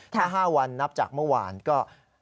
ถ้า๕วันนับจากเมื่อวานก็